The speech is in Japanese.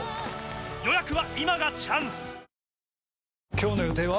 今日の予定は？